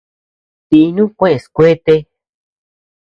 Dinuu kuʼes kuete.